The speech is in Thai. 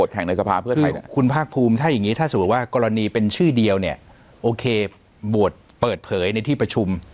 ถ้าเราฝั่งชื่อเดียวเนี่ยโอเคโบสถ์เปิดเผยในที่ประชุม